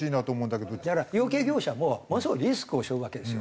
養鶏業者もものすごいリスクを背負うわけですよ。